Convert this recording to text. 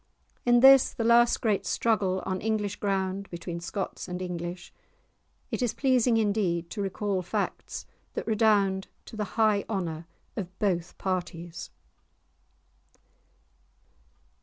In this, the last great struggle on English ground between Scots and English, it is pleasing indeed to recall facts that redound to the high honour of both parties.